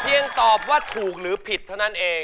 ตอบว่าถูกหรือผิดเท่านั้นเอง